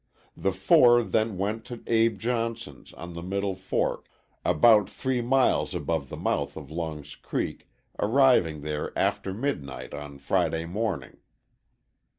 The four then went to Abe Johnson's, on the Middle Fork, about three miles above the mouth of Long's Creek, arriving there after midnight on Friday morning.